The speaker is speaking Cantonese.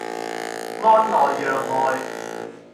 安內攘外